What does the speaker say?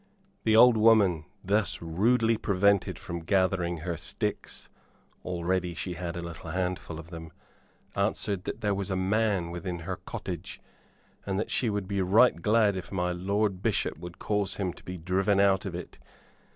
The old woman, thus rudely prevented from gathering her sticks already she had a little handful of them answered that there was a man within her cottage; and that she would be right glad if my lord Bishop would cause him to be driven out of it.